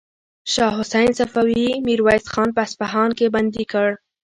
شاه حسین صفوي میرویس خان په اصفهان کې بندي کړ.